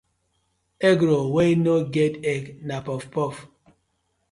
Egg roll wey no get egg na puff puff.